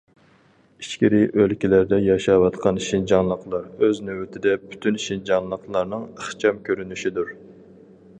ئىچكىرى ئۆلكىلەردە ياشاۋاتقان شىنجاڭلىقلار ئۆز نۆۋىتىدە پۈتۈن شىنجاڭلىقلارنىڭ ئىخچام كۆرۈنۈشىدۇر.